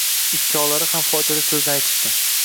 kkovlari ham foydali so‘zni aytishdi